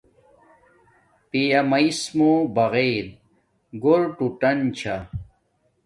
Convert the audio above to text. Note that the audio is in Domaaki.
پیا میس موں بغیر گھُور ٹوٹان چھا